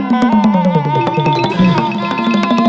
กลับมารับทราบ